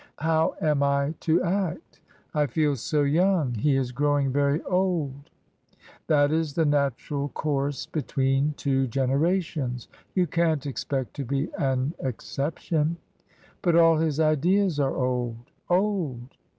" How am I to act ? I feel so young ! He is growing very old." " That is the natural course between two generations. You can't expect to be an exception." " But all his ideas are old — old.